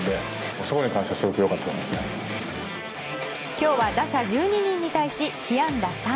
今日は打者１２人に対し被安打３。